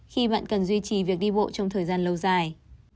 khi bạn cần duy trì việc đi bộ trong thời gian lâu dài